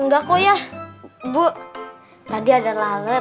enggak kok ya bu tadi ada lalep